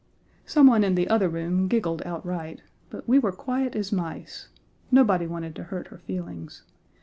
Some one in the other room giggled outright, but we were quiet as mice. Nobody wanted to hurt her feelings.